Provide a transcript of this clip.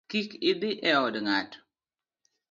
Kik idhi e od ng’ato